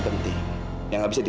tapi saya achiya pelgraduate